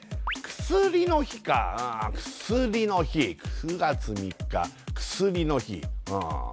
薬の日か薬の日９月３日薬の日ああ